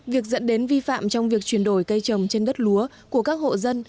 việc dẫn đến vi phạm trong việc chuyển đổi cây trồng trên đất lúa của các hộ dân